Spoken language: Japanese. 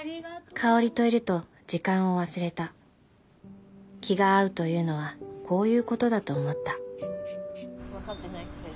香織といると時間を忘れた気が合うというのはこういうことだと思った分かってないくせに。